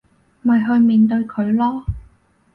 咪去面對佢囉